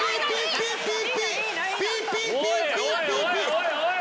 おいおい！